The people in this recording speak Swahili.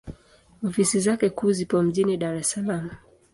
Ofisi zake kuu zipo mjini Dar es Salaam.